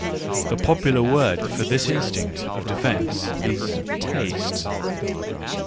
The popular word for this instinct of defence is taste.